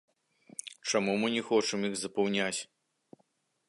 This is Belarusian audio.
Чаму мы не хочам іх запаўняць?